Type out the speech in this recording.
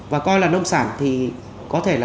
và coi là nông sản thì có thể là